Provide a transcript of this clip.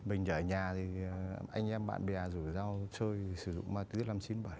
ở nhà thì anh em bạn bè rủi rau chơi sử dụng mặt túy làm chín mươi bảy